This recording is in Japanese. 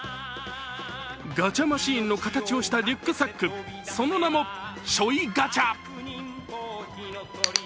ガチャマシーンの形をしたリュックサック、その名もしょいガチャ。